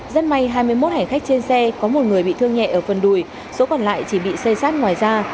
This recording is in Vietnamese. rất may hai mươi một hành khách trên xe có một người bị thương nhẹ ở phần đùi số còn lại chỉ bị xây sát ngoài ra